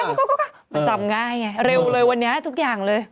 มันจำง่ายไงเร็วเลยวันนี้ทุกอย่างเลย